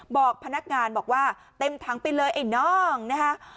บอกพนักงานบอกว่าเต็มถังไปเลยไอ้น้องนะคะ